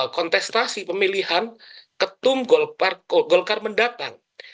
kontestasi pemilihan ketum golkar mendatang